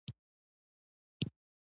غوماشې کله هم د خوب له ځایه نه وځي.